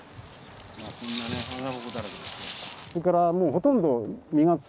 こんなね穴ぼこだらけですね。